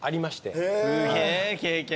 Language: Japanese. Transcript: すげえ経験。